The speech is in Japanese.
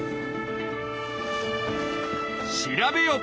調べよ！